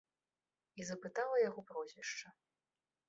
І запытала яго прозвішча.